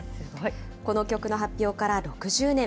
この曲の発表から６０年。